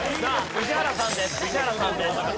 宇治原さんです。